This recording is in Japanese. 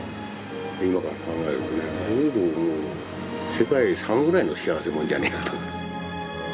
今から考えるとね世界三ぐらいの幸せ者じゃねえかと。